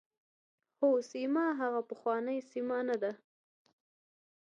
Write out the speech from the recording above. خو سیمه هغه پخوانۍ سیمه نه ده.